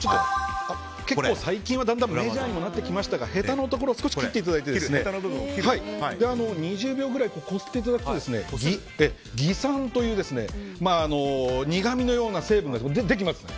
結構、最近はだんだんメジャーにもなってきましたがヘタのところを少し切っていただいて２０秒ぐらいこすっていただくとギ酸という苦みのような成分が出てきます。